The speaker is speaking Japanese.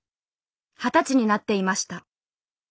二十歳になっていました。